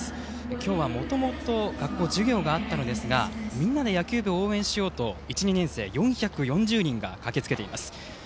今日はもともと授業があったのですがみんなで野球部を応援しようと１、２年生４４０人が駆けつけています。